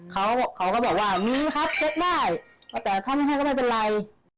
เขาเขาก็บอกว่ามีครับเช็คได้ป้าแต่ถ้าไม่ให้ก็ไม่เป็นไร